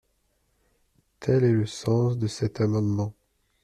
» Tel est le sens de cet amendement.